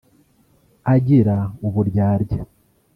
Agira uburyarya